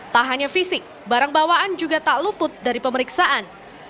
tak hanya fisik barang bawaan juga tak luput dari pemeriksaan